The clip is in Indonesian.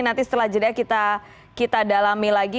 nanti setelah jeda kita dalami lagi